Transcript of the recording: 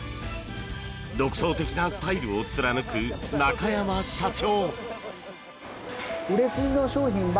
独創的なスタイルを貫く中山社長。